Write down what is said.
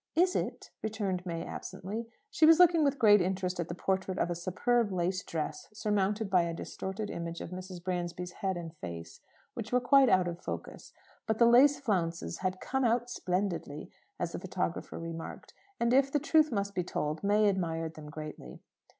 "Is it?" returned May absently. She was looking with great interest at the portrait of a superb lace dress, surmounted by a distorted image of Mrs. Bransby's head and face, which were quite out of focus. But the lace flounces had "come out splendidly," as the photographer remarked. And, if the truth must be told, May admired them greatly.